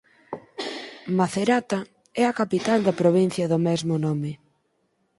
Macerata é a capital da provincia do mesmo nome.